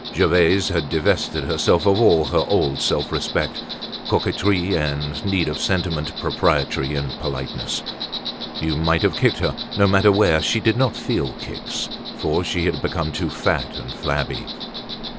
Gervaise had divested herself of all her old self respect, coquetry and need of sentiment, propriety and politeness. You might have kicked her, no matter where, she did not feel kicks for she had become too fat and flabby.